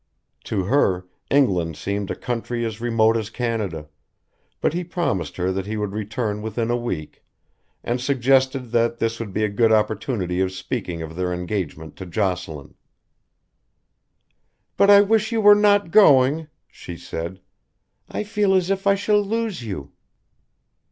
To her, England seemed a country as remote as Canada, but he promised her that he would return within a week, and suggested that this would be a good opportunity of speaking of their engagement to Jocelyn. "But I wish you were not going," she said. "I feel as if I shall lose you."